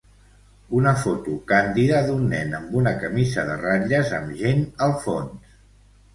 Una foto càndida d'un nen amb una camisa de ratlles amb gent al fons